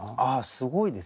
すごいですね。